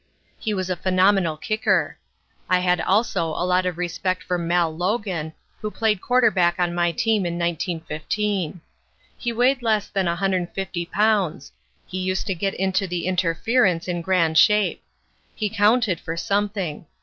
He was a phenomenal kicker. I had also a lot of respect for Mal Logan, who played quarterback on my team in 1915. He weighed less than 150 pounds. He used to get into the interference in grand shape. He counted for something.